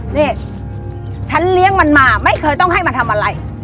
นี่ฉันเลี้ยงมันมาไม่เคยต้องไม่ให้ทำยังไง